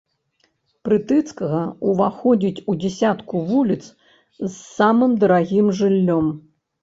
Прытыцкага ўваходзіць у дзясятку вуліц з самым дарагім жыллём.